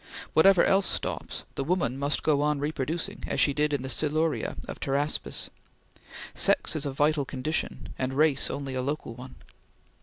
Whatever else stops, the woman must go on reproducing, as she did in the Siluria of Pteraspis; sex is a vital condition, and race only a local one.